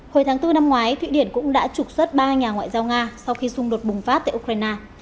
hồi tháng bốn năm ngoái thụy điển cũng đã trục xuất ba nhà ngoại giao nga sau khi xung đột bùng phát tại ukraine